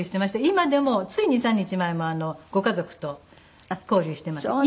今でもつい２３日前もご家族と交流してました。